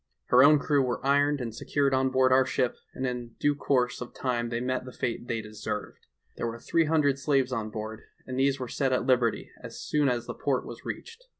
Her own crew were ironed and secured on board our ship, and in due course of time they met the fate they deserved. There were three hundred slaves on board, and these were set at liberty as soon as the port was reached.